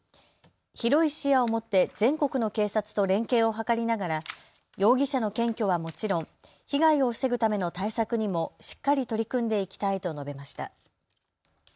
広い視野を持って全国の警察と連携を図りながら容疑者の検挙はもちろん被害を防ぐための対策にもしっかり取り組んでいきたいと述べました。